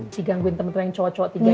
digangguin temen temen cowok cowok tiga gitu